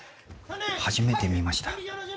初めて見ました。